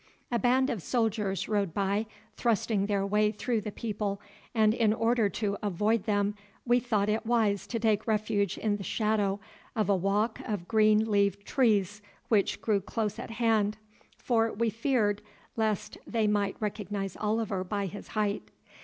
A band of soldiers rode by, thrusting their way through the people, and in order to avoid them we thought it wise to take refuge in the shadow of a walk of green leaved trees which grew close at hand, for we feared lest they might recognize Oliver by his height.